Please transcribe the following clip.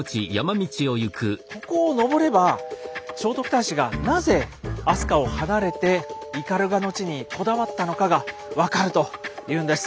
ここを登れば聖徳太子がなぜ飛鳥を離れて斑鳩の地にこだわったのかが分かるというんです。